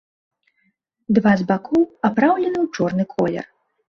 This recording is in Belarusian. Два з бакоў апраўлены ў чорны колер.